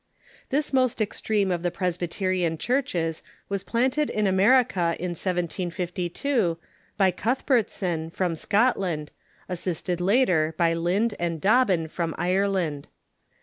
This most extreme of the Presbyterian churches was planted in America in 1752 by Cuthbertson, from Scotland, as sisted later by Lind and Dobbin from Ireland.